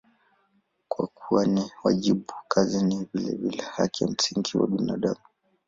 Kwa kuwa ni wajibu, kazi ni vilevile haki ya msingi ya binadamu.